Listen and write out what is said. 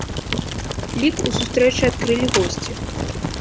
Лік у сустрэчы адкрылі госці.